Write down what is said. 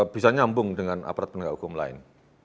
bisa nyambung dengan aph lain